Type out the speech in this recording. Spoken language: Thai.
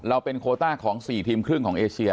เราเป็นโคต้าของ๔ทีมครึ่งของเอเชีย